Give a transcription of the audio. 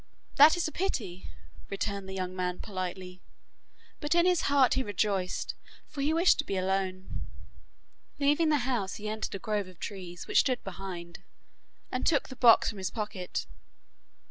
'That is a pity,' returned the young man politely, but in his heart he rejoiced, for he wished to be alone. Leaving the house, he entered a grove of trees which stood behind, and took the box from his pocket.